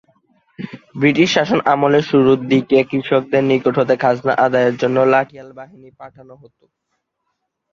British শাসনামলের শুরুর দিকে কৃষকদের নিকট হতে খাজনা আদায়ের জন্য লাঠিয়াল বাহিনী পাঠানো হত।